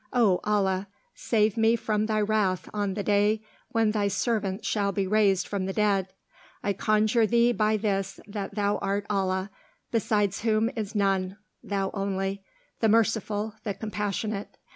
O Allah! Save me from thy wrath on the day when thy servants shall be raised from the dead. I conjure thee by this that thou art Allah, besides whom is none (thou only), the merciful, the compassionate.